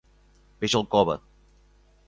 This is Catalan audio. Peix al cove.